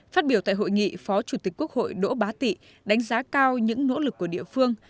phát biểu tại hội nghị phó chủ tịch quốc hội đỗ bá tị đánh giá cao những nỗ lực của địa phương